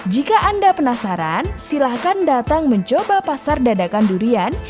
jika anda penasaran silahkan datang mencoba pasar dadakan durian